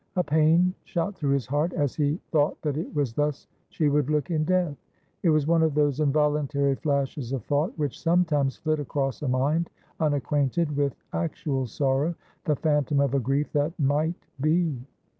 A pain shot through his heart as he thought that it was thus she would look in death. It was one of those involuntary flashes of thought which sometimes flit across a mind unacquainted with actual sorrow — the phantom of a grief that might be.